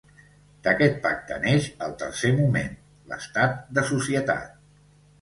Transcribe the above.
D'aquest pacte neix el tercer moment: l'estat de societat.